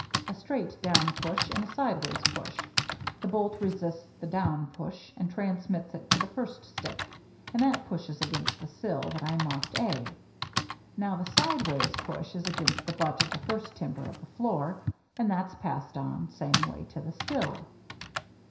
A straight down push and a sideways push. The bolt resists the down push and transmits it to the first stick, and that pushes against the sill that I marked a. Now, the sideways push is against the butt of the first timber of the floor, and that's passed on, same way, to the sill.